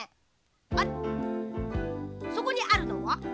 あっそこにあるのは？